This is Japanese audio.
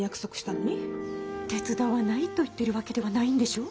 手伝わないと言ってるわけではないんでしょ？